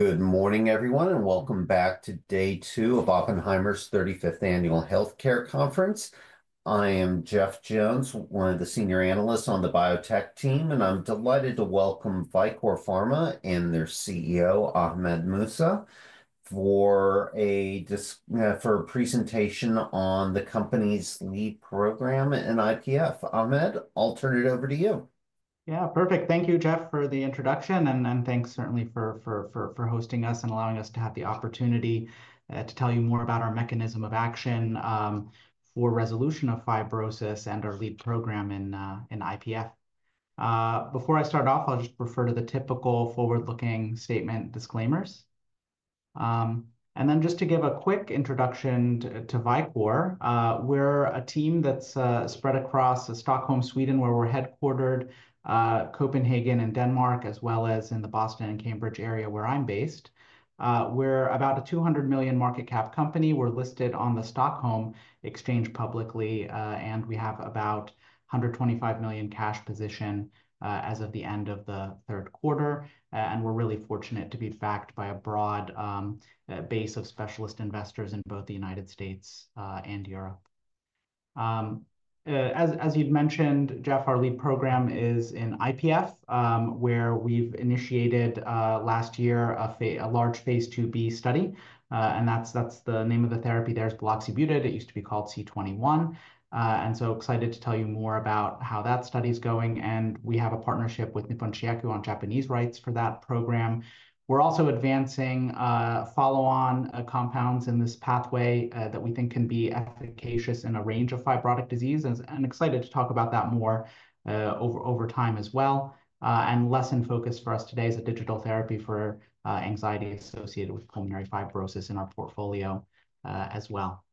Good morning, everyone, and welcome back to day dwo of Oppenheimer's 35th annual Healthcare conference. I am Jeff Jones, one of the senior analysts on the biotech team, and I'm delighted to welcome Vicore Pharma and their CEO, Ahmed Mousa, for a presentation on the company's lead program in IPF. Ahmed, I'll turn it over to you. Yeah, perfect. Thank you, Jeff, for the introduction, and thanks certainly for hosting us and allowing us to have the opportunity to tell you more about our mechanism of action for resolution of fibrosis and our lead program in IPF. Before I start off, I'll just refer to the typical forward-looking statement disclaimers. Just to give a quick introduction to Vicore, we're a team that's spread across Stockholm, Sweden, where we're headquartered, Copenhagen, and Denmark, as well as in the Boston and Cambridge area where I'm based. We're about a 200 million market cap company. We're listed on the Stockholm Exchange publicly, and we have about 125 million cash position as of the end of the third quarter. We're really fortunate to be backed by a broad base of specialist investors in both the United States and Europe. As you mentioned, Jeff, our lead program is in IPF, where we've initiated last year a large phase 2b study. The name of the therapy there is buloxibutid; it used to be called C21. Excited to tell you more about how that study is going. We have a partnership with Nippon Shinyaku on Japanese rights for that program. We're also advancing follow-on compounds in this pathway that we think can be efficacious in a range of fibrotic diseases and excited to talk about that more over time as well. A lesson focus for us today is a digital therapy for anxiety associated with pulmonary fibrosis in our portfolio as well.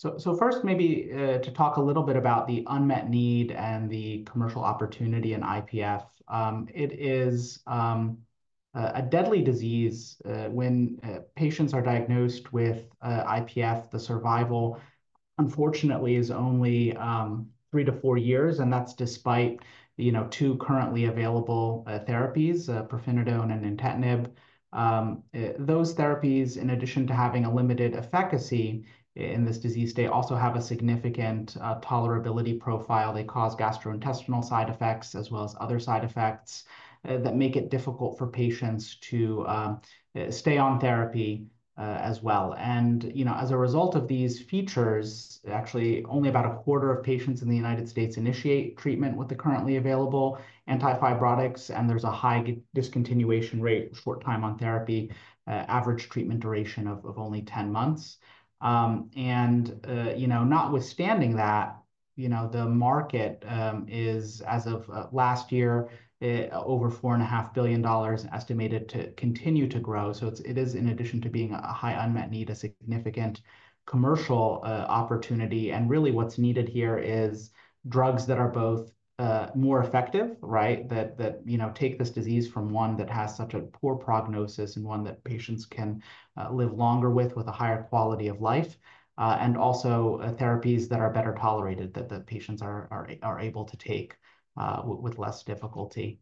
First, maybe to talk a little bit about the unmet need and the commercial opportunity in IPF. It is a deadly disease when patients are diagnosed with IPF; the survival, unfortunately, is only three to four years, and that's despite two currently available therapies, pirfenidone and nintedanib. Those therapies, in addition to having a limited efficacy in this disease, they also have a significant tolerability profile. They cause gastrointestinal side effects as well as other side effects that make it difficult for patients to stay on therapy as well. As a result of these features, actually, only about a quarter of patients in the United States initiate treatment with the currently available antifibrotics, and there's a high discontinuation rate, short time on therapy, average treatment duration of only 10 months. Notwithstanding that, the market is, as of last year, over $4.5 billion estimated to continue to grow. It is, in addition to being a high unmet need, a significant commercial opportunity. Really what's needed here is drugs that are both more effective, right, that take this disease from one that has such a poor prognosis and one that patients can live longer with, with a higher quality of life, and also therapies that are better tolerated that the patients are able to take with less difficulty.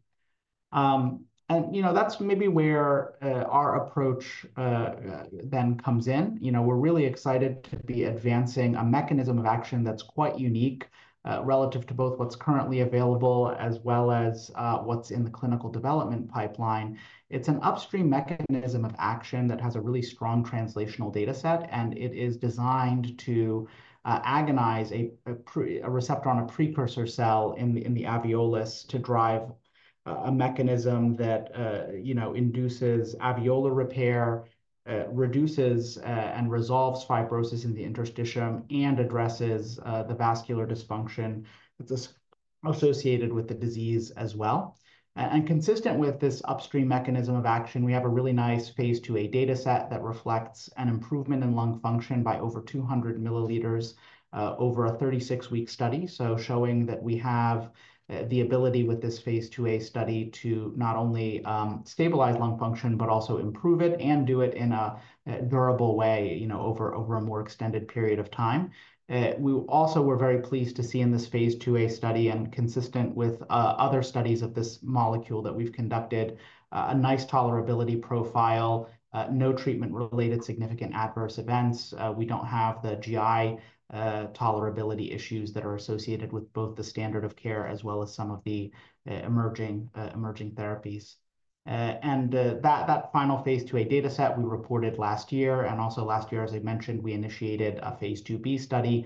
That is maybe where our approach then comes in. We're really excited to be advancing a mechanism of action that's quite unique relative to both what's currently available as well as what's in the clinical development pipeline. It's an upstream mechanism of action that has a really strong translational data set, and it is designed to agonize a receptor on a precursor cell in the alveolus to drive a mechanism that induces alveolar repair, reduces and resolves fibrosis in the interstitium, and addresses the vascular dysfunction associated with the disease as well. Consistent with this upstream mechanism of action, we have a really nice phase 2a data set that reflects an improvement in lung function by over 200 ml over a 36-week study. Showing that we have the ability with this phase 2a study to not only stabilize lung function, but also improve it and do it in a durable way over a more extended period of time. We also were very pleased to see in this phase 2a study, and consistent with other studies of this molecule that we've conducted, a nice tolerability profile, no treatment-related significant adverse events. We don't have the GI tolerability issues that are associated with both the standard of care as well as some of the emerging therapies. That final phase 2a data set we reported last year. Last year, as I mentioned, we initiated a phase 2b study.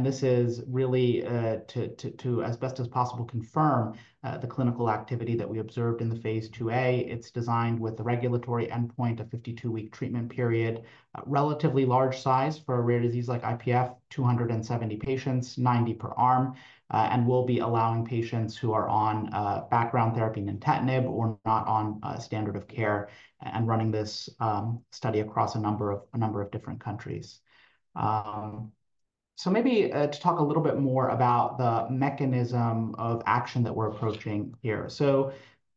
This is really to, as best as possible, confirm the clinical activity that we observed in the phase 2a. It is designed with the regulatory endpoint of a 52-week treatment period, relatively large size for a rare disease like IPF, 270 patients, 90 per arm, and will be allowing patients who are on background therapy and nintedanib or not on standard of care and running this study across a number of different countries. Maybe to talk a little bit more about the mechanism of action that we're approaching here.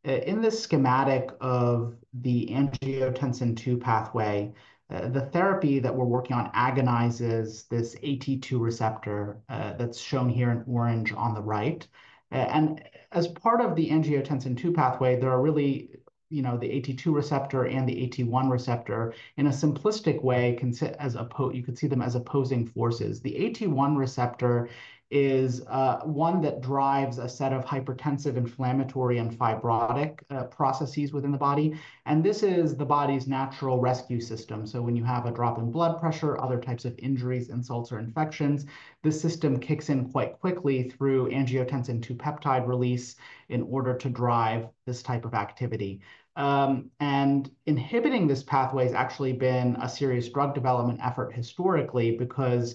In this schematic of the angiotensin II pathway, the therapy that we're working on agonizes this AT2 receptor that's shown here in orange on the right. As part of the angiotensin II pathway, there are really the AT2 receptor and the AT1 receptor. In a simplistic way, you could see them as opposing forces. The AT1 receptor is one that drives a set of hypertensive, inflammatory, and fibrotic processes within the body. This is the body's natural rescue system. When you have a drop in blood pressure, other types of injuries, insults, or infections, the system kicks in quite quickly through angiotensin II peptide release in order to drive this type of activity. Inhibiting this pathway has actually been a serious drug development effort historically because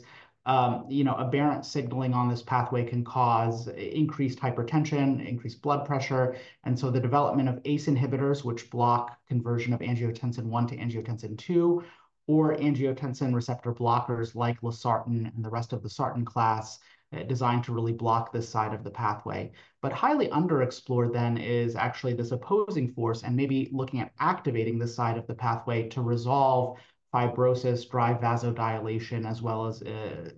aberrant signaling on this pathway can cause increased hypertension, increased blood pressure. The development of ACE inhibitors, which block conversion of angiotensin I to angiotensin II, or angiotensin receptor blockers like losartan and the rest of the sartan class, was designed to really block this side of the pathway. Highly underexplored then is actually this opposing force and maybe looking at activating the side of the pathway to resolve fibrosis, drive vasodilation, as well as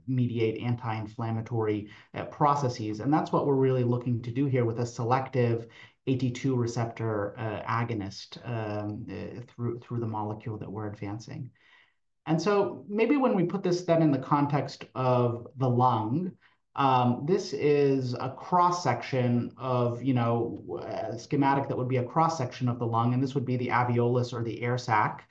mediate anti-inflammatory processes. That is what we are really looking to do here with a selective AT2 receptor agonist through the molecule that we are advancing. Maybe when we put this then in the context of the lung, this is a cross-section of schematic that would be a cross-section of the lung, and this would be the alveolus or the air sac.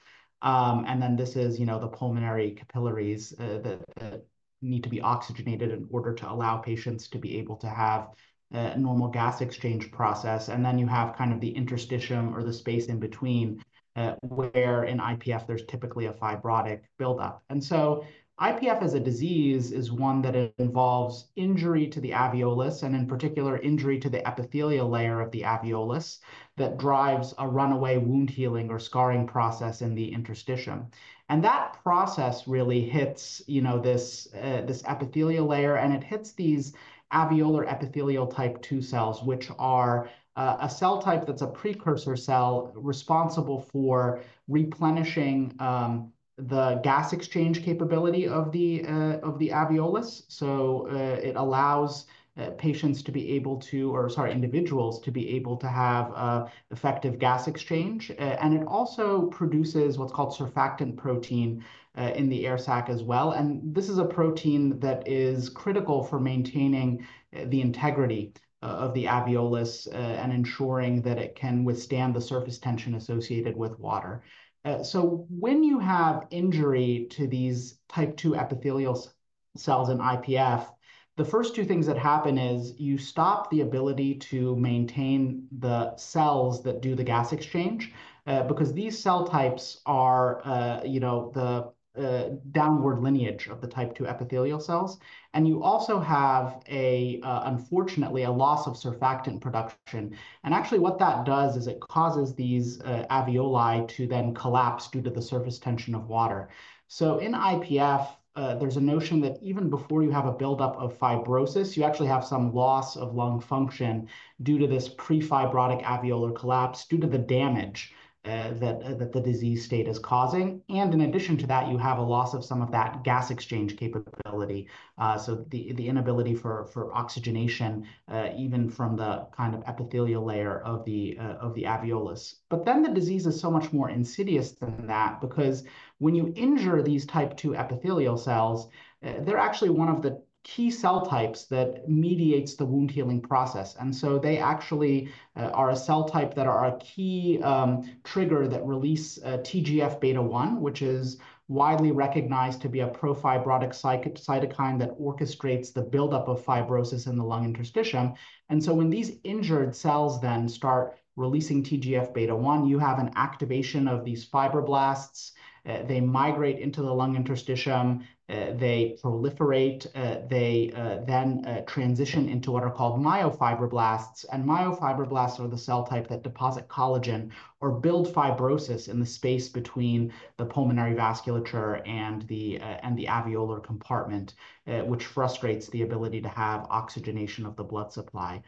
This is the pulmonary capillaries that need to be oxygenated in order to allow patients to be able to have a normal gas exchange process. You have kind of the interstitium or the space in between where in IPF there's typically a fibrotic buildup. IPF as a disease is one that involves injury to the alveolus and in particular injury to the epithelial layer of the alveolus that drives a runaway wound healing or scarring process in the interstitium. That process really hits this epithelial layer, and it hits these alveolar epithelial type II cells, which are a cell type that's a precursor cell responsible for replenishing the gas exchange capability of the alveolus. It allows patients to be able to, or sorry, individuals to be able to have effective gas exchange. It also produces what's called surfactant protein in the air sac as well. This is a protein that is critical for maintaining the integrity of the alveolus and ensuring that it can withstand the surface tension associated with water. When you have injury to these type 2 epithelial cells in IPF, the first two things that happen is you stop the ability to maintain the cells that do the gas exchange because these cell types are the downward lineage of the type 2 epithelial cells. You also have, unfortunately, a loss of surfactant production. Actually, what that does is it causes these alveoli to then collapse due to the surface tension of water. In IPF, there's a notion that even before you have a buildup of fibrosis, you actually have some loss of lung function due to this prefibrotic alveolar collapse due to the damage that the disease state is causing. In addition to that, you have a loss of some of that gas exchange capability. The inability for oxygenation, even from the kind of epithelial layer of the alveolus. The disease is so much more insidious than that because when you injure these type 2 epithelial cells, they're actually one of the key cell types that mediates the wound healing process. They actually are a cell type that are a key trigger that release TGF beta-1, which is widely recognized to be a profibrotic cytokine that orchestrates the buildup of fibrosis in the lung interstitium. When these injured cells then start releasing TGF beta-1, you have an activation of these fibroblasts. They migrate into the lung interstitium. They proliferate. They then transition into what are called myofibroblasts. And myofibroblasts are the cell type that deposit collagen or build fibrosis in the space between the pulmonary vasculature and the alveolar compartment, which frustrates the ability to have oxygenation of the blood supply.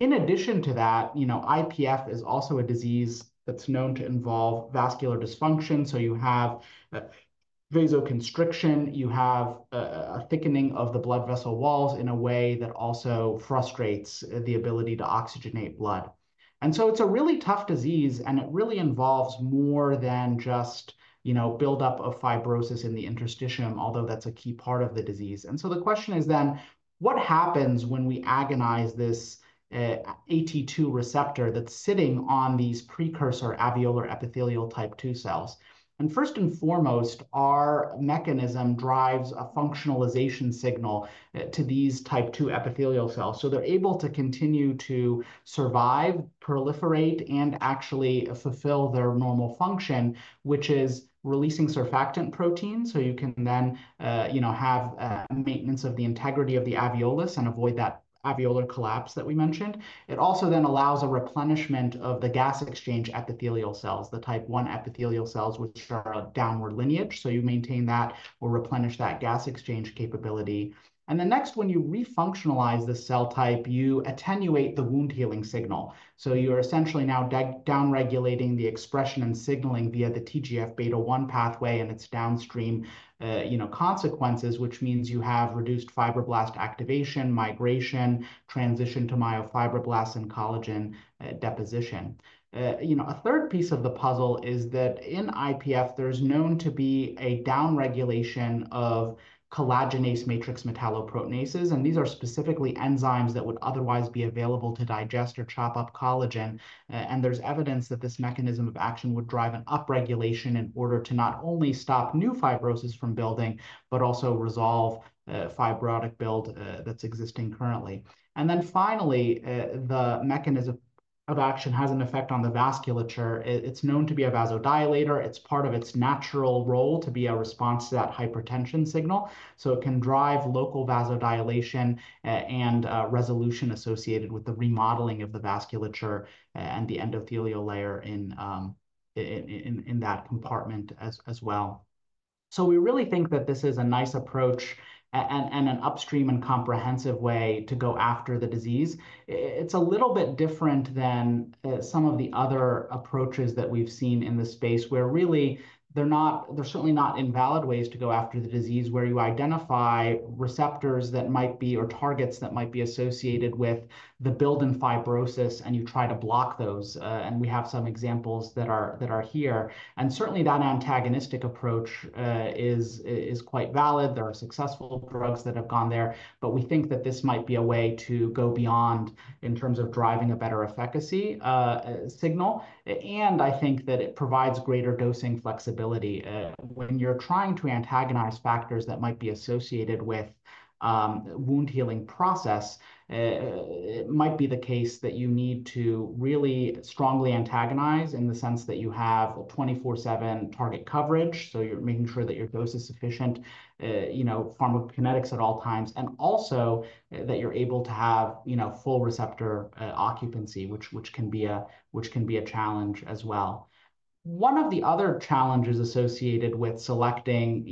In addition to that, IPF is also a disease that's known to involve vascular dysfunction. You have vasoconstriction, you have a thickening of the blood vessel walls in a way that also frustrates the ability to oxygenate blood. It is a really tough disease, and it really involves more than just buildup of fibrosis in the interstitium, although that's a key part of the disease. The question is then, what happens when we agonize this AT2 receptor that's sitting on these precursor alveolar epithelial type II cells? First and foremost, our mechanism drives a functionalization signal to these type II epithelial cells. They're able to continue to survive, proliferate, and actually fulfill their normal function, which is releasing surfactant protein. You can then have maintenance of the integrity of the alveolus and avoid that alveolar collapse that we mentioned. It also then allows a replenishment of the gas exchange epithelial cells, the type I epithelial cells, which are a downward lineage. You maintain that or replenish that gas exchange capability. Next, when you refunctionalize this cell type, you attenuate the wound healing signal. You are essentially now downregulating the expression and signaling via the TGF beta-1 pathway and its downstream consequences, which means you have reduced fibroblast activation, migration, transition to myofibroblasts and collagen deposition. A third piece of the puzzle is that in IPF, there's known to be a downregulation of collagenase matrix metalloproteinases. These are specifically enzymes that would otherwise be available to digest or chop up collagen. There's evidence that this mechanism of action would drive an upregulation in order to not only stop new fibrosis from building, but also resolve fibrotic build that's existing currently. Finally, the mechanism of action has an effect on the vasculature. It's known to be a vasodilator. It's part of its natural role to be a response to that hypertension signal. It can drive local vasodilation and resolution associated with the remodeling of the vasculature and the endothelial layer in that compartment as well. We really think that this is a nice approach and an upstream and comprehensive way to go after the disease. It's a little bit different than some of the other approaches that we've seen in this space where really there's certainly not invalid ways to go after the disease where you identify receptors that might be or targets that might be associated with the build in fibrosis and you try to block those. We have some examples that are here. Certainly that antagonistic approach is quite valid. There are successful drugs that have gone there, but we think that this might be a way to go beyond in terms of driving a better efficacy signal. I think that it provides greater dosing flexibility. When you're trying to antagonize factors that might be associated with wound healing process, it might be the case that you need to really strongly antagonize in the sense that you have 24/7 target coverage. You're making sure that your dose is sufficient, pharmacokinetics at all times, and also that you're able to have full receptor occupancy, which can be a challenge as well. One of the other challenges associated with selecting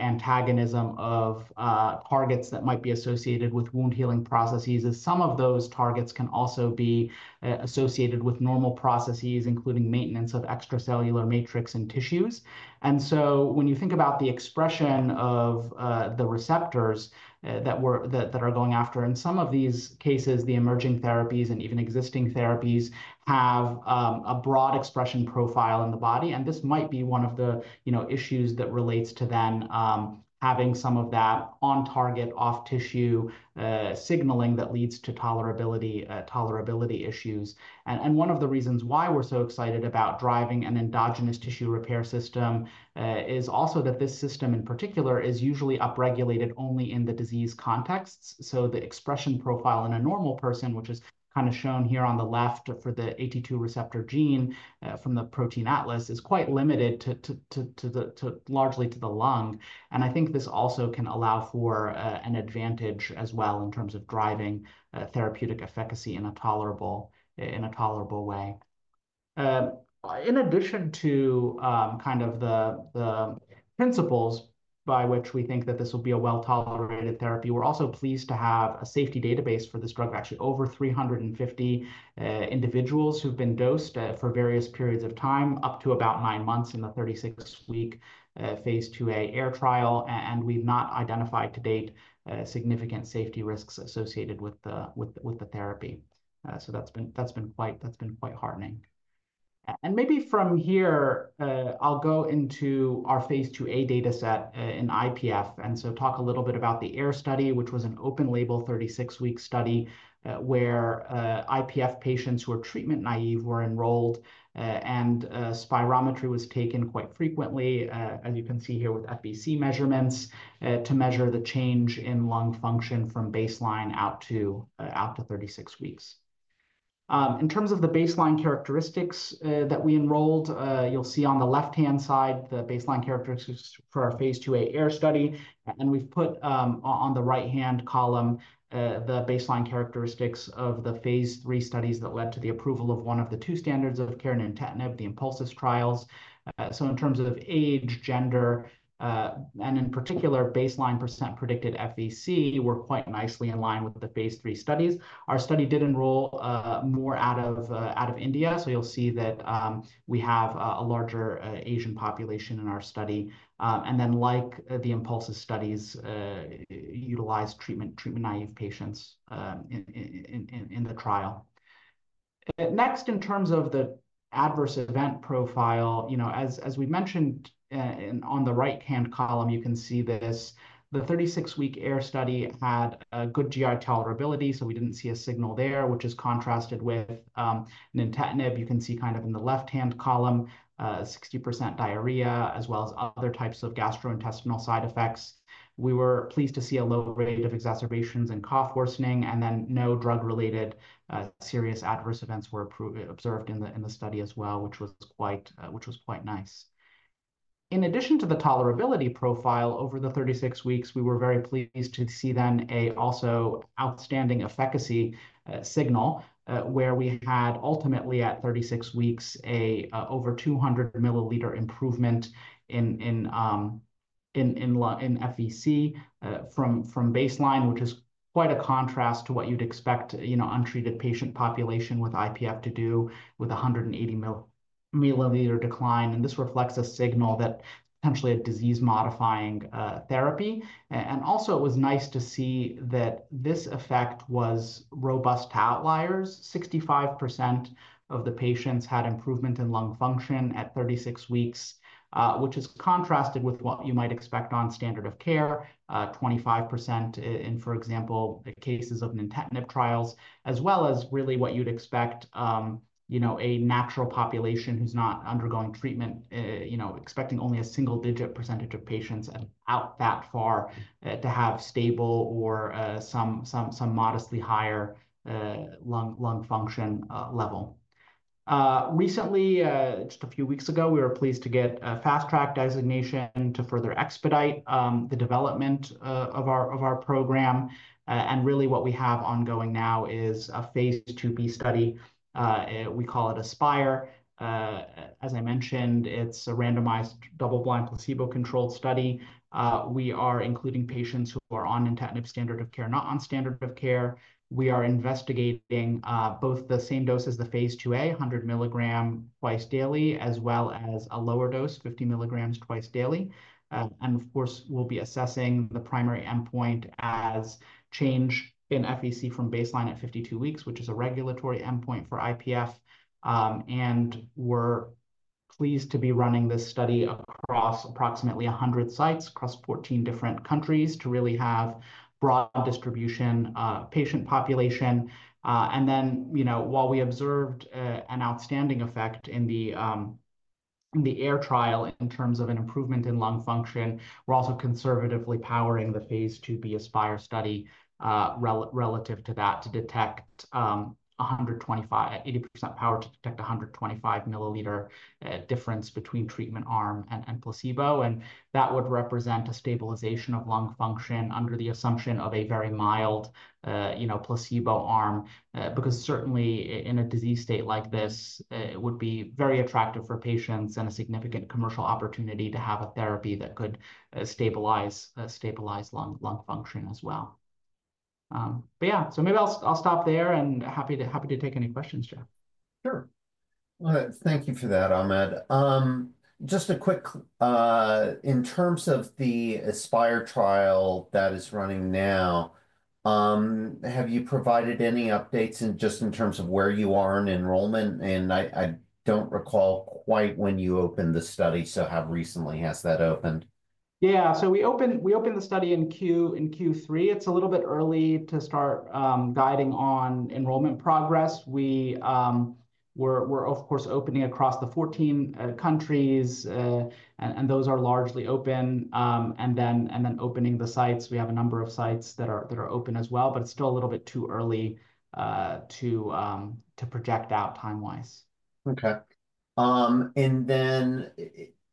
antagonism of targets that might be associated with wound healing processes is some of those targets can also be associated with normal processes, including maintenance of extracellular matrix and tissues. When you think about the expression of the receptors that are going after, in some of these cases, the emerging therapies and even existing therapies have a broad expression profile in the body. This might be one of the issues that relates to then having some of that on target, off-tissue signaling that leads to tolerability issues. One of the reasons why we're so excited about driving an endogenous tissue repair system is also that this system in particular is usually upregulated only in the disease contexts. The expression profile in a normal person, which is kind of shown here on the left for the AT2 receptor gene from the protein atlas, is quite limited largely to the lung. I think this also can allow for an advantage as well in terms of driving therapeutic efficacy in a tolerable way. In addition to kind of the principles by which we think that this will be a well-tolerated therapy, we're also pleased to have a safety database for this drug. Actually, over 350 individuals who've been dosed for various periods of time, up to about nine months in the 36-week phase 2a AIR trial. We've not identified to date significant safety risks associated with the therapy. That's been quite heartening. Maybe from here, I'll go into our phase 2a dataset in IPF. I will talk a little bit about the AIR study, which was an open-label 36-week study where IPF patients who are treatment naive were enrolled and spirometry was taken quite frequently, as you can see here with FVC measurements to measure the change in lung function from baseline out to 36 weeks. In terms of the baseline characteristics that we enrolled, you'll see on the left-hand side the baseline characteristics for our phase 2a AIR study. We have put on the right-hand column the baseline characteristics of the phase 3 studies that led to the approval of one of the two standards of care in nintedanib and of the INPULSIS trials. In terms of age, gender, and in particular, baseline percentage predicted FVC, we were quite nicely in line with the phase 3 studies. Our study did enroll more out of India, so you will see that we have a larger Asian population in our study. Like the INPULSIS studies, we utilized treatment-naive patients in the trial. Next, in terms of the adverse event profile, as we mentioned, on the right-hand column, you can see this. The 36-week AIR study had good GI tolerability, so we did not see a signal there, which is contrasted with nintedanib and you can see kind of in the left-hand column, 60% diarrhea as well as other types of gastrointestinal side effects. We were pleased to see a low rate of exacerbations and cough worsening. No drug-related serious adverse events were observed in the study as well, which was quite nice. In addition to the tolerability profile over the 36 weeks, we were very pleased to see then also an outstanding efficacy signal where we had ultimately at 36 weeks an over 200 ml improvement in FVC from baseline, which is quite a contrast to what you would expect untreated patient population with IPF to do with 180 ml decline. This reflects a signal that potentially a disease-modifying therapy. It was nice to see that this effect was robust outliers. 65% of the patients had improvement in lung function at 36 weeks, which is contrasted with what you might expect on standard of care, 25% in, for example, cases of intent trials, as well as really what you'd expect, a natural population who's not undergoing treatment, expecting only a single-digit percentage of patients out that far to have stable or some modestly higher lung function level. Recently, just a few weeks ago, we were pleased to get a fast-track designation to further expedite the development of our program. Really what we have ongoing now is a phase 2b study. We call it Aspire. As I mentioned, it's a randomized double-blind placebo-controlled study. We are including patients who are on intent standard of care, not on standard of care. We are investigating both the same dose as the phase 2a, 100 mg twice daily, as well as a lower dose, 50 milligrams twice daily. We will be assessing the primary endpoint as change in FVC from baseline at 52 weeks, which is a regulatory endpoint for IPF. We are pleased to be running this study across approximately 100 sites across 14 different countries to really have broad distribution patient population. While we observed an outstanding effect in the AIR trial in terms of an improvement in lung function, we are also conservatively powering the phase 2b ASPIRE study relative to that to detect 80% power to detect 125 ml difference between treatment arm and placebo. That would represent a stabilization of lung function under the assumption of a very mild placebo arm because certainly in a disease state like this, it would be very attractive for patients and a significant commercial opportunity to have a therapy that could stabilize lung function as well. Maybe I'll stop there and happy to take any questions, Jeff. Sure. Thank you for that, Ahmed. Just a quick, in terms of the ASPIRE trial that is running now, have you provided any updates just in terms of where you are in enrollment? I don't recall quite when you opened the study, so have recently has that opened? Yeah. We opened the study in Q3. It's a little bit early to start guiding on enrollment progress. We're, of course, opening across the 14 countries, and those are largely open. Then opening the sites, we have a number of sites that are open as well, but it's still a little bit too early to project out time-wise. Okay.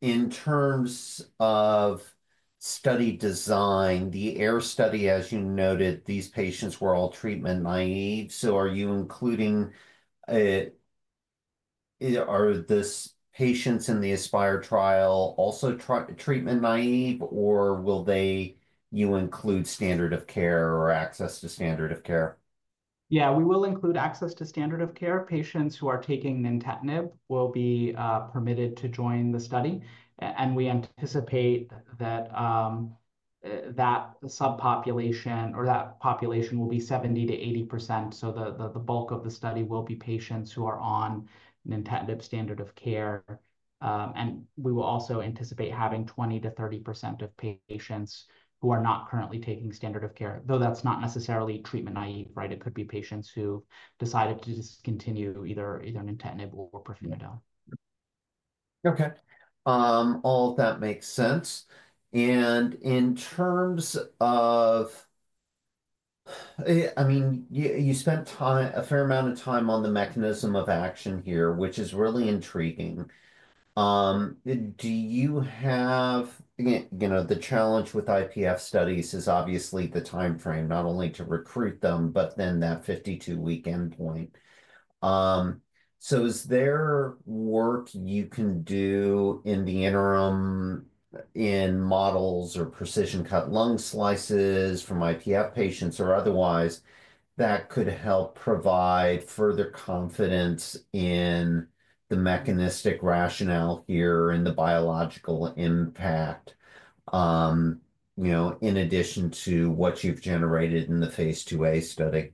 In terms of study design, the AIR study, as you noted, these patients were all treatment naive. Are these patients in the ASPIRE trial also treatment naive, or will you include standard of care or access to standard of care? Yeah, we will include access to standard of care. Patients who are taking standard of care will be permitted to join the study. We anticipate that that subpopulation or that population will be 70%-80%. The bulk of the study will be patients who are on standard of care. We will also anticipate having 20%-30% of patients who are not currently taking standard of care, though that's not necessarily treatment naive, right? It could be patients who decided to discontinue either nintedanib or pirfenidone. Okay. All of that makes sense. In terms of, I mean, you spent a fair amount of time on the mechanism of action here, which is really intriguing. Do you have, again, the challenge with IPF studies is obviously the timeframe, not only to recruit them, but then that 52-week endpoint. Is there work you can do in the interim in models or precision cut lung slices from IPF patients or otherwise that could help provide further confidence in the mechanistic rationale here in the biological impact in addition to what you've generated in the phase 2a study?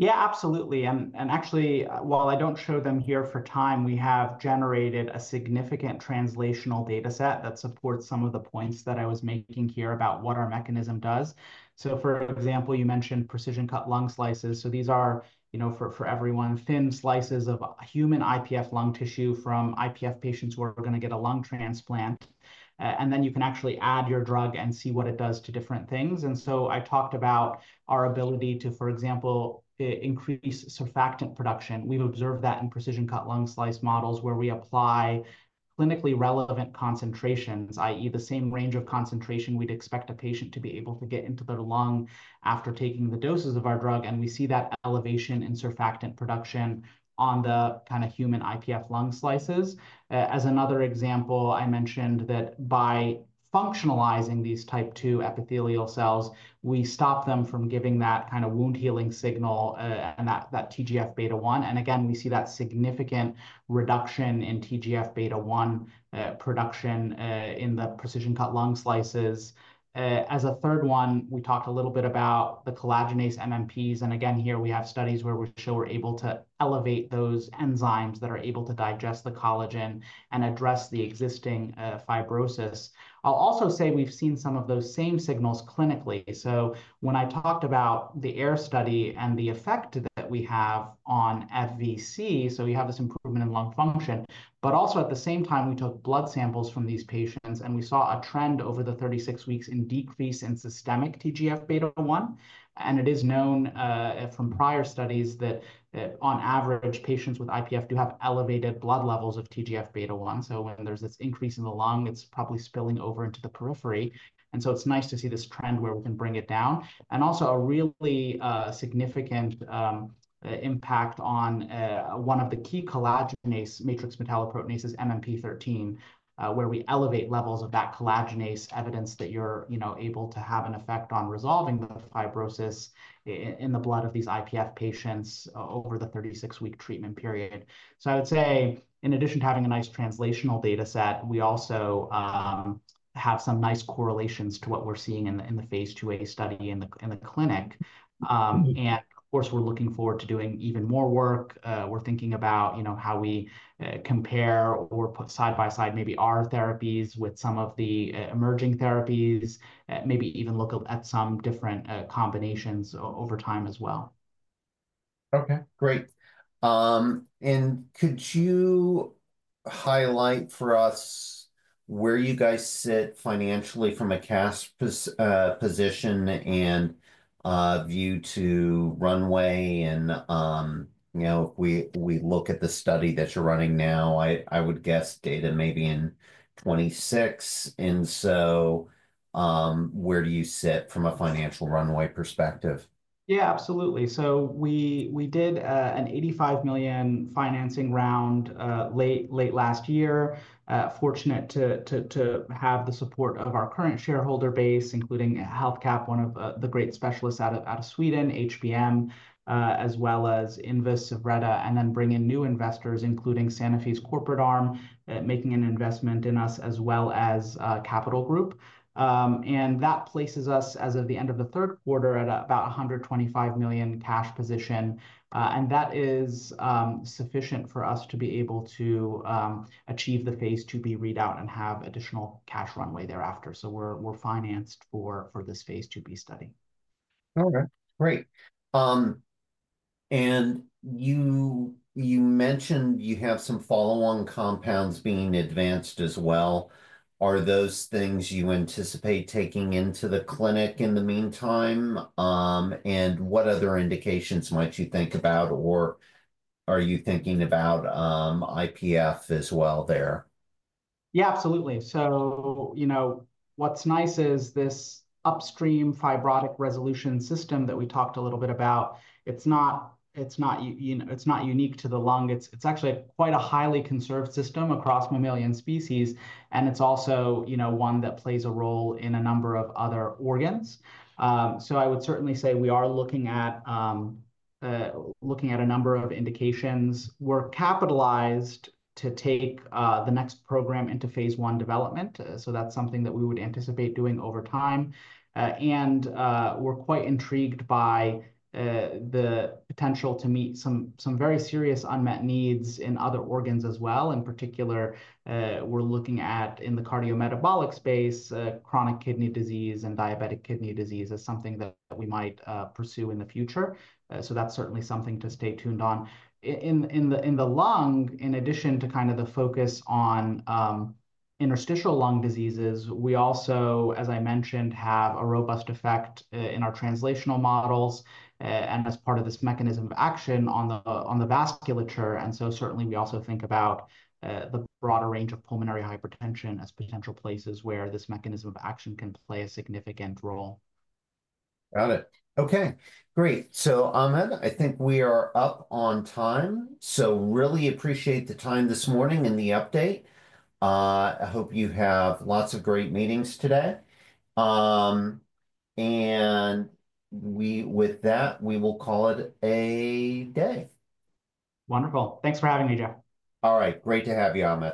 Yeah, absolutely. Actually, while I don't show them here for time, we have generated a significant translational dataset that supports some of the points that I was making here about what our mechanism does. For example, you mentioned precision cut lung slices. These are, for everyone, thin slices of human IPF lung tissue from IPF patients who are going to get a lung transplant. You can actually add your drug and see what it does to different things. I talked about our ability to, for example, increase surfactant production. We've observed that in precision cut lung slice models where we apply clinically relevant concentrations, i.e., the same range of concentration we'd expect a patient to be able to get into their lung after taking the doses of our drug. We see that elevation in surfactant production on the kind of human IPF lung slices. As another example, I mentioned that by functionalizing these type II epithelial cells, we stop them from giving that kind of wound healing signal and that TGF beta-1. Again, we see that significant reduction in TGF beta-1 production in the precision cut lung slices. As a third one, we talked a little bit about the collagenase MMPs. Again, here we have studies where we're able to elevate those enzymes that are able to digest the collagen and address the existing fibrosis. I'll also say we've seen some of those same signals clinically. When I talked about the AIR trial and the effect that we have on FVC, we have this improvement in lung function, but also at the same time, we took blood samples from these patients and we saw a trend over the 36 weeks in decrease in systemic TGF beta-1. It is known from prior studies that on average, patients with IPF do have elevated blood levels of TGF beta-1. When there's this increase in the lung, it's probably spilling over into the periphery. It's nice to see this trend where we can bring it down. Also, a really significant impact on one of the key collagenase matrix metalloproteinases, MMP-13, where we elevate levels of that collagenase, evidence that you're able to have an effect on resolving the fibrosis in the blood of these IPF patients over the 36-week treatment period. I would say, in addition to having a nice translational dataset, we also have some nice correlations to what we're seeing in the phase 2a study in the clinic. Of course, we're looking forward to doing even more work. We're thinking about how we compare or put side by side maybe our therapies with some of the emerging therapies, maybe even look at some different combinations over time as well. Okay. Great. Could you highlight for us where you guys sit financially from a cash position and view to runway? We look at the study that you're running now, I would guess data maybe in 2026. Where do you sit from a financial runway perspective? Yeah, absolutely. We did an $85 million financing round late last year. Fortunate to have the support of our current shareholder base, including HealthCap, one of the great specialists out of Sweden, HBM Healthcare Investments, as well as Invus, Redmile Group, and then bring in new investors, including Sanofi's corporate arm, making an investment in us as well as Capital Group. That places us as of the end of the third quarter at about $125 million cash position. That is sufficient for us to be able to achieve the phase 2b readout and have additional cash runway thereafter. We're financed for this phase 2b study. All right. Great. You mentioned you have some follow-on compounds being advanced as well. Are those things you anticipate taking into the clinic in the meantime? What other indications might you think about, or are you thinking about IPF as well there? Yeah, absolutely. What's nice is this upstream fibrotic resolution system that we talked a little bit about. It's not unique to the lung. It's actually quite a highly conserved system across mammalian species. It's also one that plays a role in a number of other organs. I would certainly say we are looking at a number of indications. We're capitalized to take the next program into phase 1 development. That's something that we would anticipate doing over time. We're quite intrigued by the potential to meet some very serious unmet needs in other organs as well. In particular, we're looking at, in the cardiometabolic space, chronic kidney disease and diabetic kidney disease as something that we might pursue in the future. That's certainly something to stay tuned on. In the lung, in addition to kind of the focus on interstitial lung diseases, we also, as I mentioned, have a robust effect in our translational models and as part of this mechanism of action on the vasculature. We also think about the broader range of pulmonary hypertension as potential places where this mechanism of action can play a significant role. Got it. Okay. Great. Ahmed, I think we are up on time. Really appreciate the time this morning and the update. I hope you have lots of great meetings today. With that, we will call it a day. Wonderful. Thanks for having me, Jeff. All right. Great to have you, Ahmed.